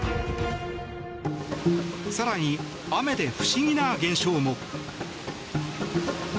更に、雨で不思議な現象も。